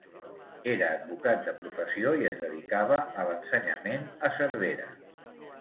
Era advocat de professió i es dedicava a l'ensenyament a Cervera.